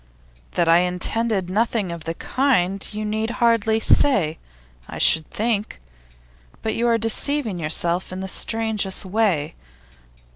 'That I intended nothing of the kind, you need hardly say, I should think. But you are deceiving yourself in the strangest way.